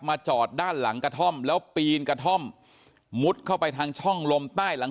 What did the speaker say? มาจอดด้านหลังกระท่อมแล้วปีนกระท่อม